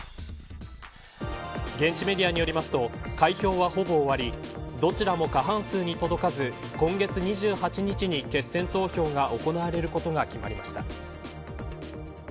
現地メディアによりますと開票は、ほぼ終わりどちらも過半数に届かず今月２８日に決選投票が行われることが決まりました。